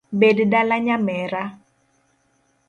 Bed dala nyamera